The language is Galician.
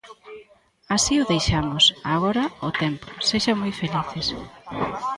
Así o deixamos, agora o tempo, sexan moi felices.